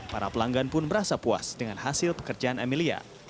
para pelanggan pun berasa puas dengan hasil pekerjaan amelia